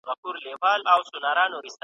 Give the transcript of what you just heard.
کوم فلمونه؟